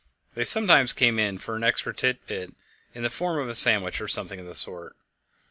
They sometimes came in for an extra tit bit in the form of a sandwich or something of the sort.